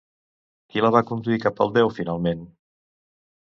Qui la va conduir cap al déu finalment?